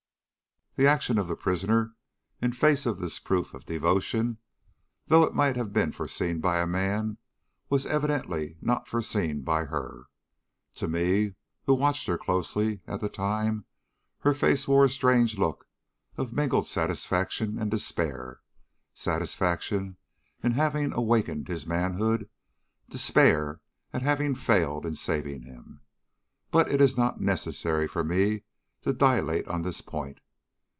"The action of the prisoner, in face of this proof of devotion, though it might have been foreseen by a man, was evidently not foreseen by her. To me, who watched her closely at the time, her face wore a strange look of mingled satisfaction and despair, satisfaction in having awakened his manhood, despair at having failed in saving him. But it is not necessary for me to dilate on this point.